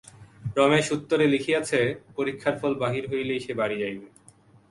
রমেশ উত্তরে লিখিয়াছে, পরীক্ষার ফল বাহির হইলেই সে বাড়ি যাইবে।